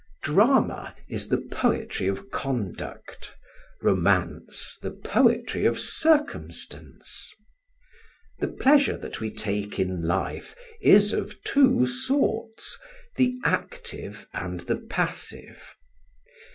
Drama is the poetry of conduct, romance the poetry of circumstance. The pleasure that we take in life is of two sorts the active and the passive.